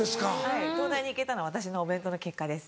はい東大に行けたのは私のお弁当の結果です。